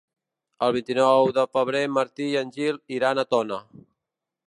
El vint-i-nou de febrer en Martí i en Gil iran a Tona.